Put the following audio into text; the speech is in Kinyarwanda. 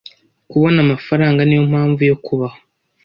Kubona amafaranga niyo mpamvu yo kubaho.